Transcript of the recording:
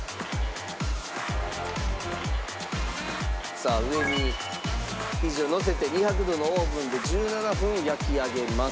「さあ上に生地をのせて２００度のオーブンで１７分焼き上げます」